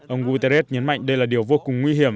ông guterres nhấn mạnh đây là điều vô cùng nguy hiểm